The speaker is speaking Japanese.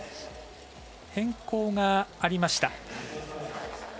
変更がありました。